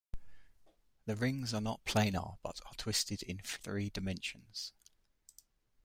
The rings are not planar, but are twisted in three dimensions.